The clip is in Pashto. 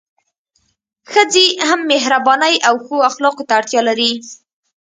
ښځي هم مهربانۍ او ښو اخلاقو ته اړتیا لري